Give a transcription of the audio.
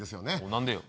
何でよ？